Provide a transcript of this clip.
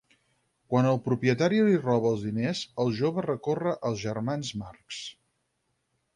Quan el propietari li roba els diners, el jove recorre als germans Marx.